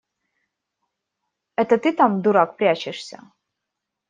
Это ты там, дурак, прячешься?